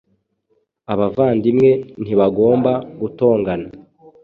Abavandimwe ntibagomba gutongana